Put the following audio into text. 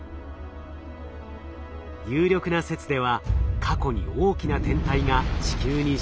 有力な説では過去に大きな天体が地球に衝突。